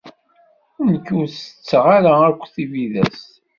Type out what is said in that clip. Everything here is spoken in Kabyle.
Nekk ur setteɣ ara akk tibidest.